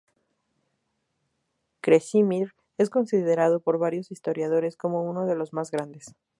Krešimir es considerado, por varios historiadores, como uno de los más grandes.